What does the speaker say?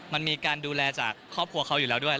มันมีการดูแลจากครอบครัวเขาอยู่แล้วด้วย